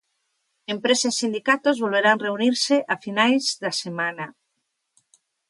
Empresa e sindicatos volverán reunirse a finais da semana.